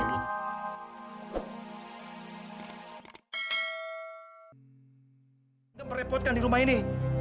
apa yang mereka merepotkan di rumah ini